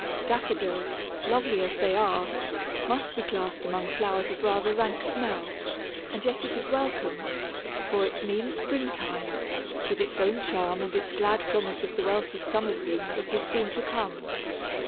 Daffodils, lovely as they are, must be classed among flowers of rather rank smell, and yet it is welcome, for it means spring time, with its own charm and its glad promise of the wealth of summer bloom that is soon to come.